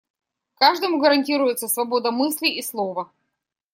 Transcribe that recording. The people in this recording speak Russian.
Каждому гарантируется свобода мысли и слова.